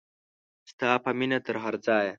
ستا په مینه تر هر ځایه.